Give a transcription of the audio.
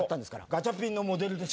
ガチャピンのモデルです。